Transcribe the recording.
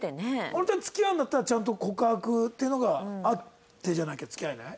あのちゃん付き合うんだったらちゃんと告白っていうのがあってじゃなきゃ付き合えない？